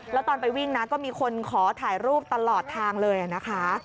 แล้วตอนไปวิ่งนะก็มีคนขอถ่ายรูปตลอดทางเลยนะคะ